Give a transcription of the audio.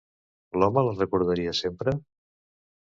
L'home la recordaria sempre?